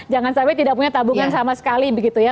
jangan sampai tidak punya tabungan sama sekali begitu ya